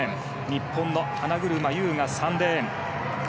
日本の花車優が３レーン。